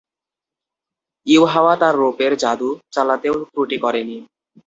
ইউহাওয়া তার রূপের যাদু চালাতেও ত্রুটি করেনি।